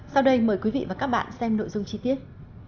sau đây mời quý vị và các bạn xem nội dung chi tiết